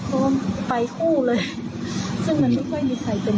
ไปทู้เลยซึ่งมันไม่ค่อยมีใครตนหนึ่ง